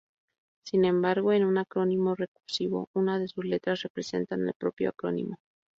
Sin embargo, en un acrónimo recursivo una de sus letras representa al propio acrónimo.